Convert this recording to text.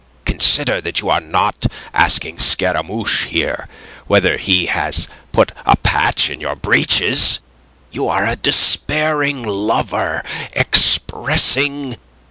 Consider that you are not asking Scaramouche here whether he has put a patch in your breeches. You are a despairing lover expressing..."